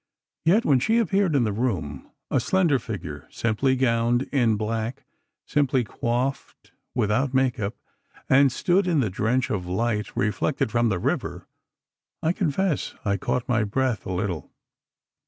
Yet when she appeared in the room—a slender figure, simply gowned in black, simply coiffed, without make up—and stood in the drench of light reflected from the river, I confess I caught my breath a little.